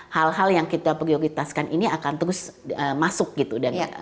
hal hal yang kita prioritaskan ini akan terus masuk gitu